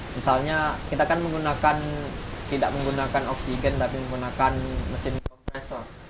misalnya kita kan menggunakan tidak menggunakan oksigen tapi menggunakan mesin komester